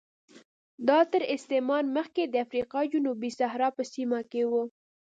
دا تر استعمار مخکې د افریقا جنوبي صحرا په سیمه کې و